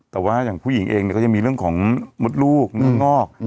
แต่ว่าอย่างผู้หญิงเองก็ยังมีเรื่องของมดลูกเนื้องอก